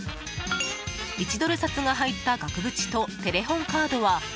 １ドル札が入った額縁とテレホンカードは。